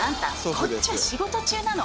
こっちは仕事中なの。